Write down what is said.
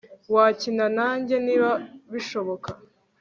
wakina nanjye niba bishoboka